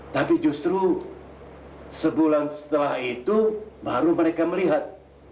tapi justru sebulan setelah itu baru mereka melihat